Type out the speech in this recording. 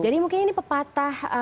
jadi mungkin ini pepatah